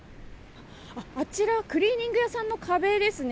あちらクリーニング屋さんの壁ですね。